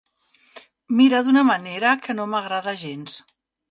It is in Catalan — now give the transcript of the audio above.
Mira d'una manera que no m'agrada gens.